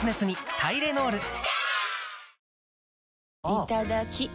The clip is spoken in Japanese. いただきっ！